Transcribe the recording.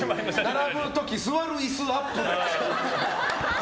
並ぶ時座る椅子アップ。